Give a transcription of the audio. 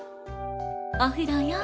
お風呂よ。